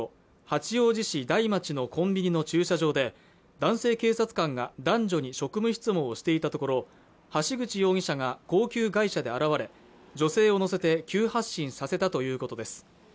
八王子市台町のコンビニの駐車場で男性警察官が男女に職務質問をしていたところ橋口容疑者が高級外車で現れ女性を乗せて急発進させたということです